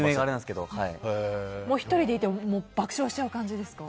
１人で見ても爆笑しちゃう感じですか？